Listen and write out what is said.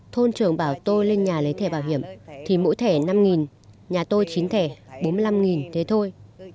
thôn trường bảo tôi lên nhà lấy thẻ bảo hiểm thì mỗi thẻ năm nhà tôi chín thẻ bốn mươi năm thế thôi